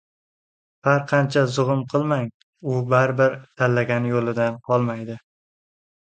har qancha zug‘um qilmang, u baribir tanlagan yo‘lidan qolmaydi.